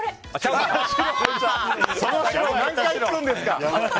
その白何回引くんですか！